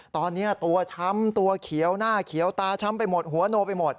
ตอนนี้ตัวช้ำตัวเขียวหน้าเขียวตาช้ำไปหมดหัวโนไปหมด